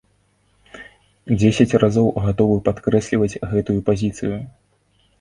Дзесяць разоў гатовы падкрэсліваць гэтую пазіцыю!